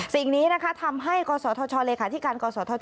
สิ่งนี้ทำให้กศธลหลีคาที่การกศธ